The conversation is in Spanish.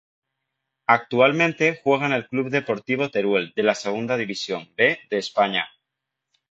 Actualmente juega en el Club Deportivo Teruel de la Segunda División B de España.